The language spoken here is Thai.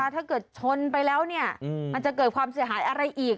ถ้าเกิดชนไปแล้วมันจะเกิดความเสียหายอะไรอีก